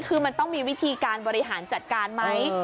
คือมันต้องมีวิธีการบริหารจัดการไหม